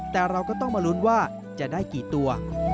แต่เราก็ต้องมาลุ้นว่าจะได้กี่ตัว